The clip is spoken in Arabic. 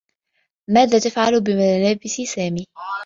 ماذا تفعل بملابس سامي؟